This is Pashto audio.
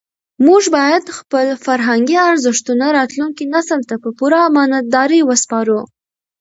موږ باید خپل فرهنګي ارزښتونه راتلونکي نسل ته په پوره امانتدارۍ وسپارو.